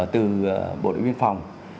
từ bộ đội biên phòng